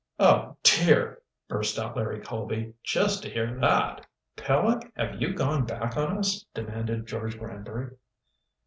"Oh, dear!" burst out Larry Colby. "Just to hear that!" "Peleg, have you gone back on us?" demanded George Granbury.